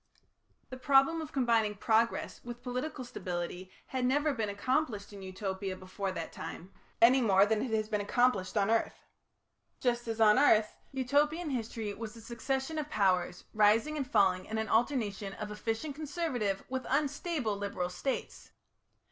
The problem of combining progress with political stability had never been accomplished in Utopia before that time, any more than it has been accomplished on earth. Just as on earth, Utopian history was a succession of powers rising and falling in an alternation of efficient conservative with unstable liberal States.